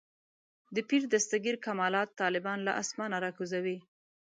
د پیر دستګیر کمالات طالبان له اسمانه راکوزوي.